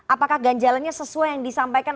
apakah ganjalannya sesuai yang disampaikan